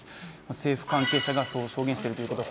政府関係者がそう証言しているということです。